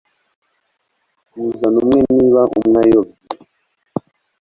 Kuzana umwe niba umwe ayobye